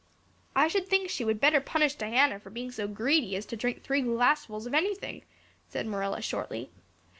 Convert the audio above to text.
"I should think she would better punish Diana for being so greedy as to drink three glassfuls of anything," said Marilla shortly.